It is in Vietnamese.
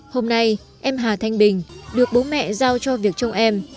hôm nay em hà thanh bình được bố mẹ giao cho việc chồng em